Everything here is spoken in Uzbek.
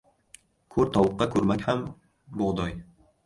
• Ko‘r tovuqqa kurmak ham ― bug‘doy.